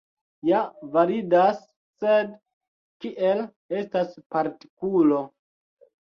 Ja validas, sed kiel estas partikulo.